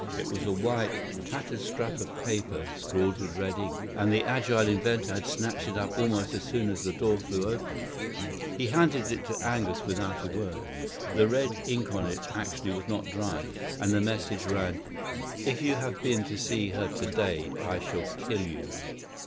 It was a white, tattered scrap of paper scrawled with red ink; and the agile inventor had snatched it up almost as soon as the door flew open. He handed it to Angus without a word. The red ink on it actually was not dry, and the message ran, "If you have been to see her today, I shall kill you."